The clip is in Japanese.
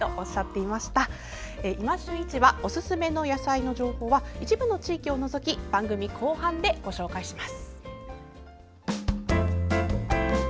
「いま旬市場」おすすめの野菜の情報は一部の地域を除き番組後半でお伝えします。